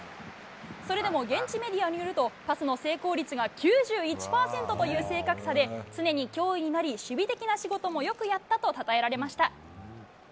それでも現地メディアによると、パスの成功率が９１％という正確さで、常に脅威になり、守備的な仕事もよくやったとたたえられました。